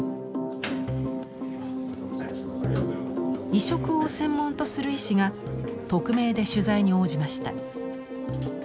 移植を専門とする医師が匿名で取材に応じました。